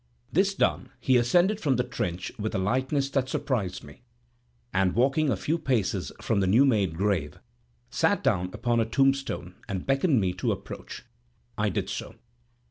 This done, he ascended from the trench with a lightness that surprised me, and walking a few paces from the new made grave, sat down upon a tombstone, and beckoned me to approach. I did so.